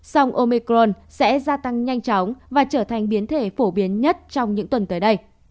song omicron sẽ gia tăng nhanh chóng và trở thành biến thể phổ biến nhất trong những tuần tới đây